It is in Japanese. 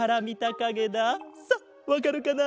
さあわかるかな？